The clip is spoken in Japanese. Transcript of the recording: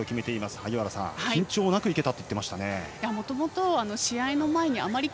萩原さん、緊張なくいけたと言っていましたね。